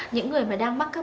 những người mà đang mắc cấp